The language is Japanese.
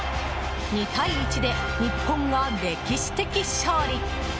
２対１で日本が歴史的勝利。